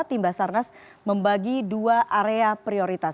tim basarnas membagi dua area prioritas